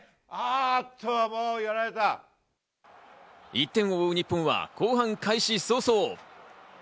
１点を追う日本は後半開始早々。